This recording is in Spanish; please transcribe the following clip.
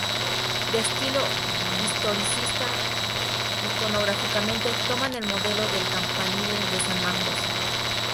De estilo historicista, iconográficamente toman el modelo del Campanile de San Marcos.